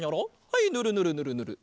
はいぬるぬるぬるぬる。